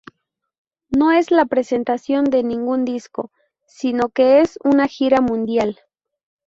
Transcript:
No es la presentación de ningún disco, sino que es una gira mundial.